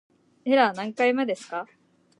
エラー何回目ですか